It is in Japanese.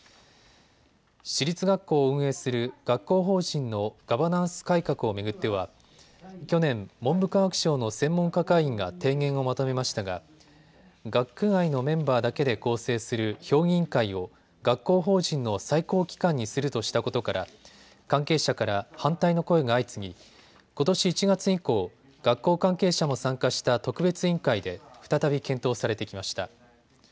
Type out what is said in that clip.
私立学校を運営する学校法人のガバナンス改革を巡っては去年、文部科学省の専門家会議が提言をまとめましたが学外のメンバーだけで構成する評議員会を学校法人の最高機関にするとしたことから関係者から反対の声が相次ぎことし１月以降、学校関係者も参加した特別委員会で再び検討されてきました。